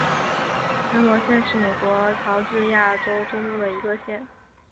门罗县是美国乔治亚州中部的一个县。